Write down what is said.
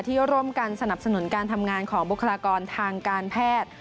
ที่ร่วมกันสนับสนุนการทำงานของบุคลากรทางการแพทย์